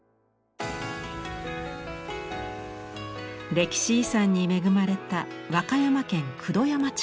歴史遺産に恵まれた和歌山県九度山町。